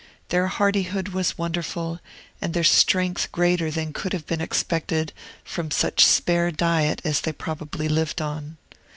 Their hardihood was wonderful, and their strength greater than could have been expected from such spare diet as they probably lived upon.